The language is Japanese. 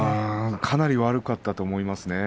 かなり悪かったと思います。